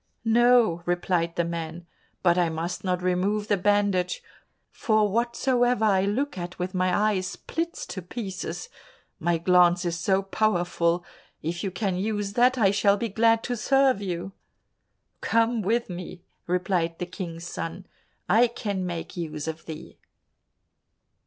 "No," replied the man, "but I must not remove the bandage, for whatsoever I look at with my eyes, splits to pieces, my glance is so powerful. If you can use that, I shall be glad to serve you." "Come with me," replied the King's son, "I can make use of thee."